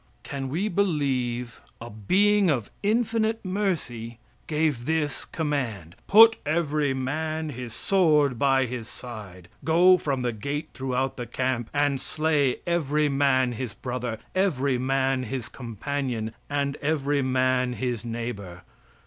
Can we believe a being of infinite mercy gave this command: "Put every man his sword by his side; go from the gate throughout the camp, and slay every man his brother, every man his companion, and every man his neighbor.